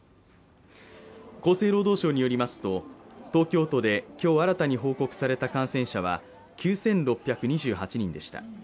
厚生労働省によりますと、東京都で今日新たに報告された感染者は９６２８人でした。